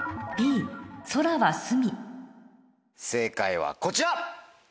正解はこちら。